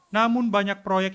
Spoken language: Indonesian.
namun banyak proyek yang terjadi